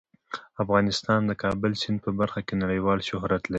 افغانستان د د کابل سیند په برخه کې نړیوال شهرت لري.